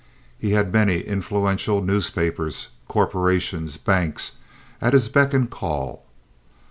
He had many influential newspapers, corporations, banks, at his beck and call.